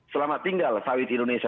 selamat tinggal sawit indonesia